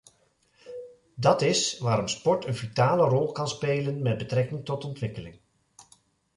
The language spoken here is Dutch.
Dat is waarom sport een vitale rol kan spelen met betrekking tot ontwikkeling.